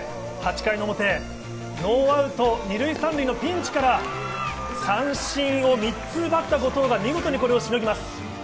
８回の表、ノーアウト２塁３塁のピンチから三振を３つ奪った後藤が見事にこれをしのぎます。